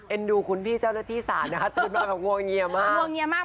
เอ็นดูคุณพี่เจ้าหน้าที่ศาลนะครับตื่นมากับงวงเงียมาก